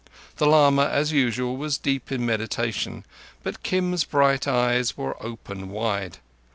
The lama as usual, was deep in meditation, but Kim's bright eyes were open wide.